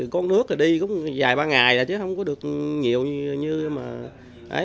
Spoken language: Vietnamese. con nước thì đi cũng vài ba ngày là chứ không có được nhiều như mà